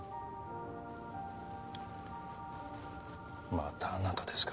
またあなたですか。